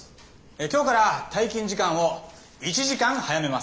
今日から退勤時間を１時間早めます。